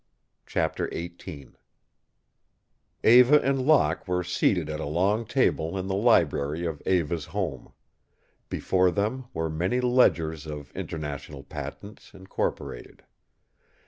CHAPTER XVIII Eva and Locke were seated at a long table in the library of Eva's home. Before them were many ledgers of International Patents, Incorporated.